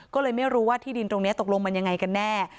ก็เลยไม่รู้ว่าที่ดินตรงนี้ตกลงมันยังไงกันแน่